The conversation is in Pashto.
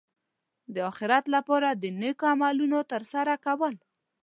د اخرت لپاره د نېکو عملونو ترسره کول.